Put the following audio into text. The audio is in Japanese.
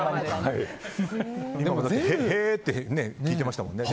へーって聞いてましたもんね。